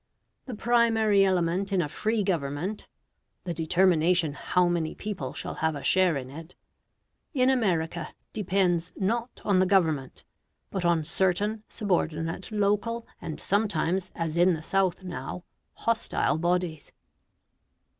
The primary element in a free government the determination how many people shall have a share in it in America depends not on the Government but on certain subordinate local, and sometimes, as in the South now, hostile bodies.